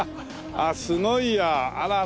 ああすごいやあらら。